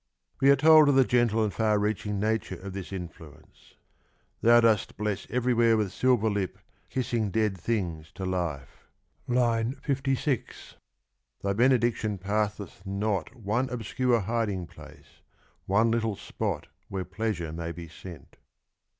We are told of the gentle and far reaching nature of this influence : Thou dost bless everywhere, with silver Hp K^for'uS Kissing dead things to Hfe (III. 56) moon thy benediction passeth not One obscure hiding phice, one Httle spot Where pleasure may be sent.